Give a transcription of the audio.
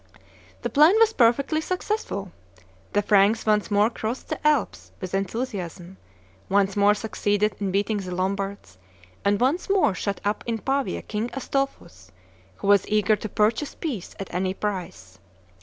The plan was perfectly successful: the Franks once more crossed the Alps with enthusiasm, once more succeeded in beating the Lombards, and once more shut up in Pavia King Astolphus, who was eager to purchase peace at any price.